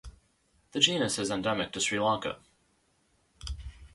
The genus is endemic to Sri Lanka.